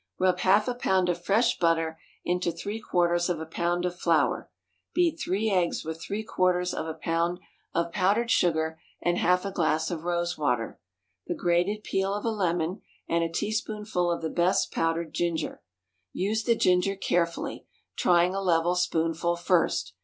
_ Rub half a pound of fresh butter into three quarters of a pound of flour; beat three eggs with three quarters of a pound of powdered sugar and half a glass of rosewater, the grated peel of a lemon, and a teaspoonful of the best powdered ginger use the ginger carefully, trying a level spoonful first.